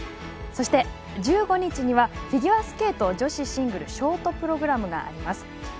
そして、１５日にはフィギュアスケート女子シングルショートプログラムがあります。